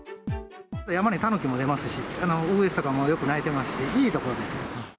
山にタヌキも出ますし、ウグイスとかもよく鳴いてますし、いい所です。